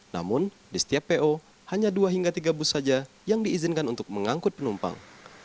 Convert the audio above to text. namun di setiap po hanya dua hingga tiga bus saja yang diizinkan untuk mengangkut penumpang